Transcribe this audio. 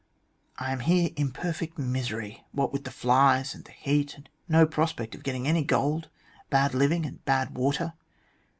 I am here in perfect misery what with the flies, and the heat, and no prospect of getting any gold, bad living, and bad water.